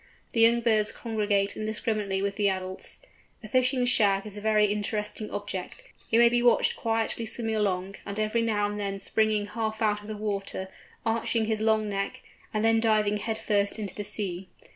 The young birds congregate indiscriminately with the adults. A fishing Shag is a very interesting object. He may be watched quietly swimming along, and every now and then springing half out of the water, arching his long neck, and then diving head first into the sea.